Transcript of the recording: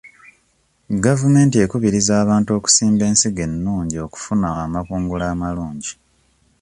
Gavumenti ekubiriza abantu okusimba ensigo ennungi okufuna amakungula amalungi.